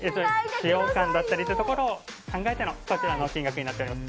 使用感だったりということを考えてのこちらの金額になっています。